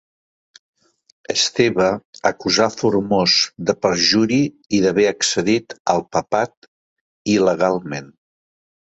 Esteve acusà Formós de perjuri i d'haver accedit al Papat il·legalment.